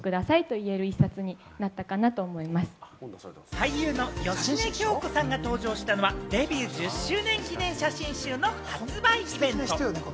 俳優の芳根京子さんが登場したのは、デビュー１０周年記念写真集の発売イベント。